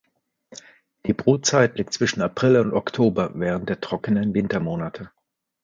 Die Brutzeit liegt zwischen April und Oktober während der trockenen Wintermonate.